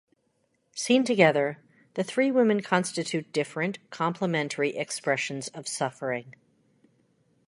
Seen together, the three women constitute different, complementary expressions of suffering.